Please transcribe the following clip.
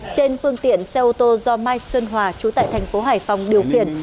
trên phương tiện xe ô tô do mai xuân hòa chú tại thành phố hải phòng điều khiển